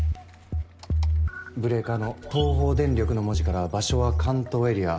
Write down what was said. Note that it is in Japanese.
ブレーカーの「東方電力」の文字から場所は関東エリア。